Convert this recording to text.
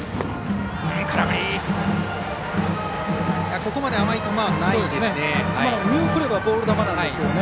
ここまで甘い球はないですね。